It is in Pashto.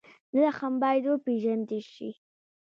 زخم باید وپېژندل شي.